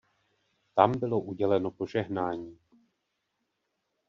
Tam bylo uděleno požehnání.